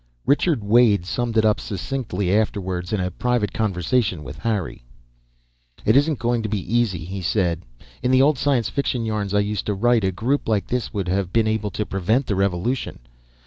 Richard Wade summed it up succinctly afterwards, in a private conversation with Harry. "It isn't going to be easy," he said. "In the old science fiction yarns I used to write, a group like this would have been able to prevent the revolution.